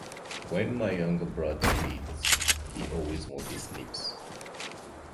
When my younger brother reads, he always moves his lips.